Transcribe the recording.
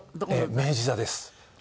明治座で！？